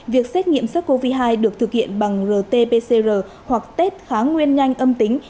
việc xét nghiệm sắc covid hai được thực hiện bằng rt pcr hoặc test khá nguyên nhanh âm tính